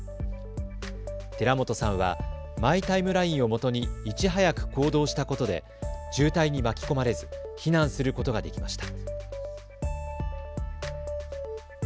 寺本さんはマイ・タイムラインをもとにいち早く行動したことで渋滞に巻き込まれず避難することができました。